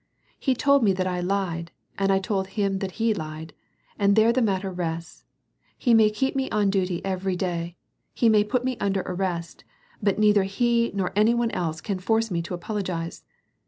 " He told me that I lied, and I told him that he lied. And there the matter rests. He may keep me on duty every day ; he may put me xmder arrest, but neither he nor any one else can force me to apologize.